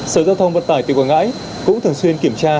sở giao thông vận tải tỉnh quảng ngãi cũng thường xuyên kiểm tra